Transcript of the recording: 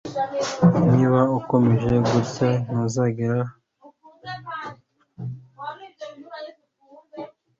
Niba akomeje gutya ntazigera agera kuri byinshi